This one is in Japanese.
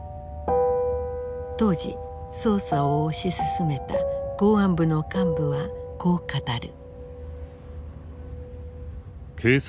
当時捜査を推し進めた公安部の幹部はこう語る。